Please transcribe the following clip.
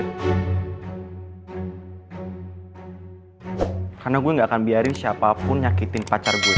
karena gue gak akan biarin siapapun nyakitin pacar gue